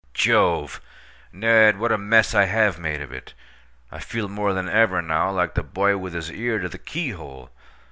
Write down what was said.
Jove! Ned, what a mess I have made of it! I feel more than ever now like the boy with his ear to the keyhole.